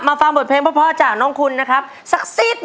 อ๊าอ๊ะอ๊าอ๊าอ๊าอ๊าอ๊า